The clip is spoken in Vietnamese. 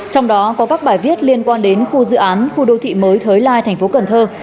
trong đó có các bài viết liên quan đến khu dự án khu đô thị mới thới lai tp cn